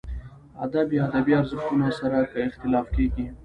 ادب یا ادبي ارزښتونو سره که اختلاف کېږي.